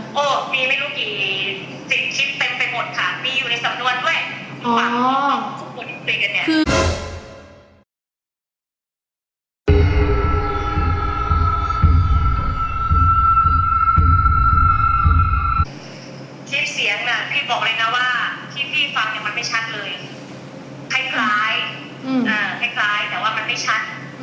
คลิปเสียงน่ะพี่บอกเลยนะว่าที่พี่ฟังเนี่ยมันไม่ชัดเลยคล้ายแต่ว่ามันไม่ชัด